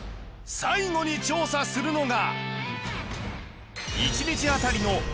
最後に調査するのが